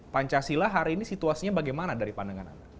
pancasila hari ini situasinya bagaimana dari pandangan anda